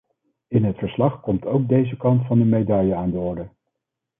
In het verslag komt ook deze kant van de medaille aan de orde.